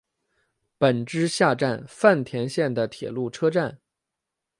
木之下站饭田线的铁路车站。